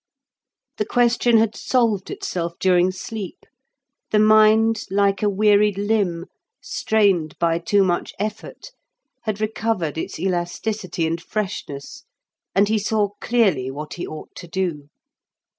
The question had solved itself during sleep; the mind, like a wearied limb, strained by too much effort, had recovered its elasticity and freshness, and he saw clearly what he ought to do.